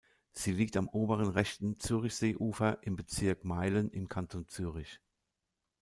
Sie liegt am oberen rechten Zürichseeufer im Bezirk Meilen im Kanton Zürich.